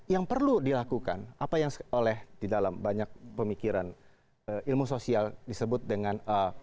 yang perlu dilakukan apa yang oleh di dalam banyak pemikiran ilmu sosial disebut dengan